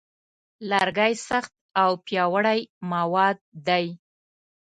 لرګی سخت او پیاوړی مواد دی.